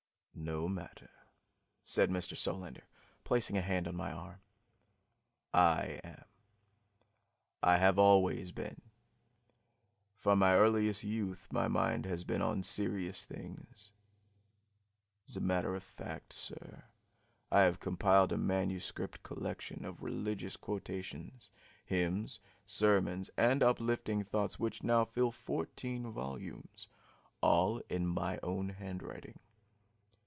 "No matter," said Mr. Solander, placing a hand on my arm. "I am. I have always been. From my earliest youth my mind has been on serious things. As a matter of fact, sir, I have compiled a manuscript collection of religious quotations, hymns, sermons and uplifting thoughts which now fill fourteen volumes, all in my own handwriting.